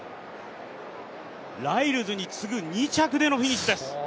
ライルズに次ぐ２着でのフィニッシュです。